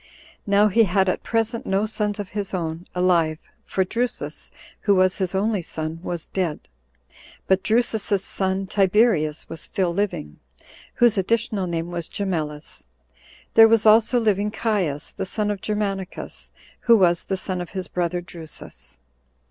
Now he had at present no sons of his own alive for Drusus, who was his only son, was dead; but Drusus's son Tiberius was still living, whose additional name was Gemellus: there was also living Caius, the son of Germanicus, who was the son 24 of his brother [Drusus].